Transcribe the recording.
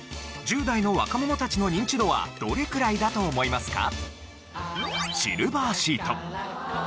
１０代の若者たちのニンチドはどれくらいだと思いますか？